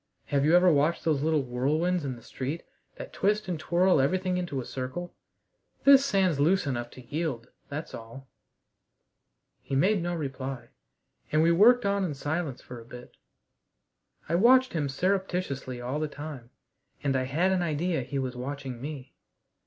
"Have you never watched those little whirlwinds in the street that twist and twirl everything into a circle? This sand's loose enough to yield, that's all." He made no reply, and we worked on in silence for a bit. I watched him surreptitiously all the time, and I had an idea he was watching me.